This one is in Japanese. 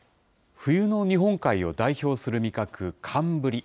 冬の日本海を代表する味覚、寒ブリ。